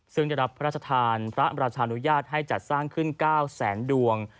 ซึ่งได้รับพระราชทานพระราชานุญาตให้จัดสร้างขึ้น๙แสนดวง